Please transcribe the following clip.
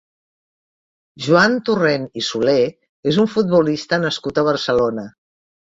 Joan Torrent i Solé és un futbolista nascut a Barcelona.